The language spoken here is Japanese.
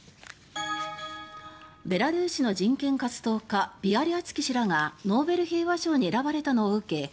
ベラルーシの人権活動家ビアリアツキ氏らがノーベル平和賞に選ばれたのを受け